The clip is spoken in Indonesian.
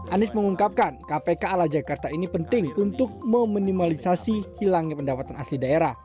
anies mengungkapkan kpk ala jakarta ini penting untuk meminimalisasi hilangnya pendapatan asli daerah